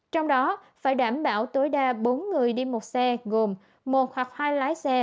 trong đó phải đảm bảo tối đa bốn người đi một xe gồm một hoặc hai lái xe